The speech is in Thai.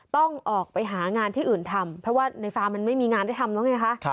ต้องออกไปหางานที่อื่นทำเพราะว่าในฟาร์มมันไม่มีงานได้ทำแล้วไงคะ